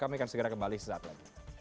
kami akan segera kembali sesaat lagi